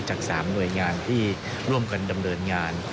จาก๓หน่วยงานที่ร่วมกันดำเนินงาน